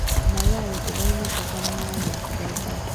Amalwaliro tegalina ttaka limala lya kugaziwa.